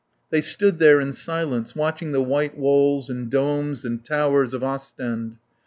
They stood there in silence watching the white walls and domes and towers of Ostend.